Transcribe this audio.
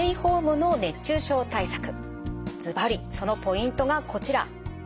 ずばりそのポイントがこちら。